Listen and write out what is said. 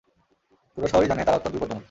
পুরো শহরই জানে তারা অত্যন্ত বিপজ্জনক।